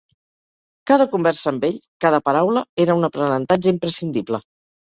Cada conversa amb ell, cada paraula, era un aprenentatge imprescindible.